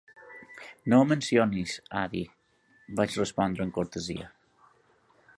"No ho mencionis, avi", vaig respondre amb cortesia.